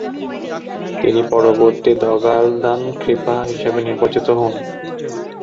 তিনি পরবর্তী দ্গা'-ল্দান-খ্রি-পা হিসেবে নির্বাচিত হন।